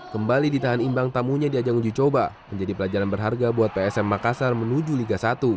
kembali ditahan imbang tamunya di ajang uji coba menjadi pelajaran berharga buat psm makassar menuju liga satu